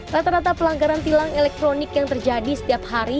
rata rata pelanggaran tilang elektronik yang terjadi setiap hari